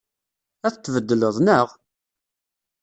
Ad t-tbeddleḍ, naɣ?